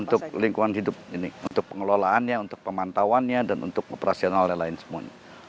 untuk lingkungan hidup ini untuk pengelolaannya untuk pemantauannya dan untuk operasional dan lain lain semuanya